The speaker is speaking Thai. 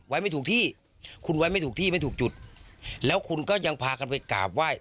ไม่ถูกที่คุณไว้ไม่ถูกที่ไม่ถูกจุดแล้วคุณก็ยังพากันไปกราบไหว้